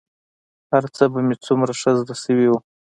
هرڅه به يې څومره ښه زده سوي وو.